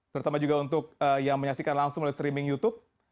terutama juga untuk yang menyaksikan langsung oleh streaming youtube